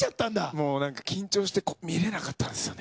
もうなんか緊張して見られなかったんですよね。